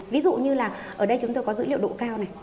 ví dụ như là ở đây chúng tôi có dữ liệu độ cao này